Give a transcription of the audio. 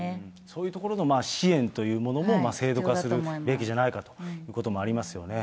そういうところの支援というものも制度化するべきじゃないかということもありますよね。